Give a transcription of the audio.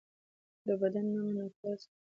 د بدۍ نه منع کول صدقه ده